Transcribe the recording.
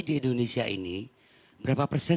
di indonesia ini berapa persen